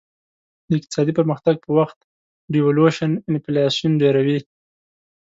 د اقتصادي پرمختګ په وخت devaluation انفلاسیون ډېروي.